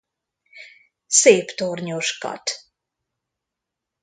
Szép tornyos kath.